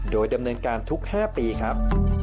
โดยดำเนินการทุก๕ปีครับ